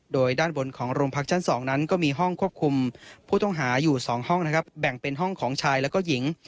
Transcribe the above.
โดยด้านบนของโรงพักชั้น๒นั้นก็มีห้องควบคุมผู้ต้องหาอยู่๒ห้องนะครับแบ่งเป็นห้องของชายแล้วก็หญิง